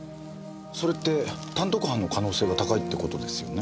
それって単独犯の可能性が高いって事ですよね？